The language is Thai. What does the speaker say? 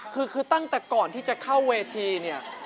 คือคือตั้งแต่ก่อนที่จะเข้าเวทีเนี่ย